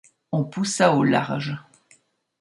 On poussa au large.